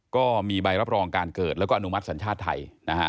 ก็มีใบรับรองการเกิดแล้วก็อนุมัติสัญชาติไทยนะฮะ